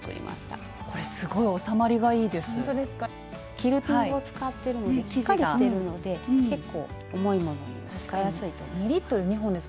キルティングを使ってるのでしっかりしてるので結構重いものにも使いやすいと思います。